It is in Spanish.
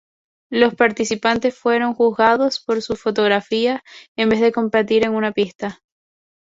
Las participantes fueron juzgadas por sus fotografías en vez de competir en una pista.